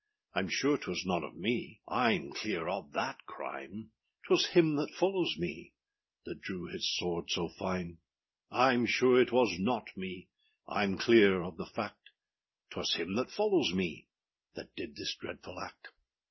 Iâm sure âtwas none of me, Iâm clear of that crime; âTwas him that follows me That drew his sword so fine. Iâm sure it was not me, Iâm clear of the fact; âTwas him that follows me That did this dreadful act.